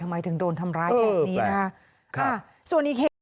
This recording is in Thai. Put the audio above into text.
ทำไมถึงโดนทำร้ายแบบนี้